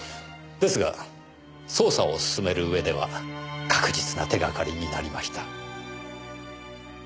ですが捜査を進める上では確実な手がかりになりました。